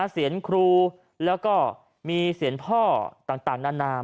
เสียงครูและก็มีเสียงพ่อต่างดันร้ำ